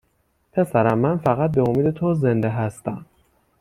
پسرم من فقط به امید تو زنده هستم